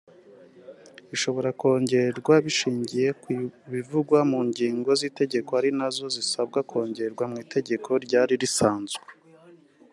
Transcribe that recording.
Ishobora kongerwa bishingiye ku bivugwa mu ngingo z'itegeko ari nazo zisabwa kongerwa mu itegeko ryari risanzwe